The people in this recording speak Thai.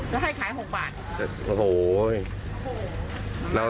ขึ้นทุกตัว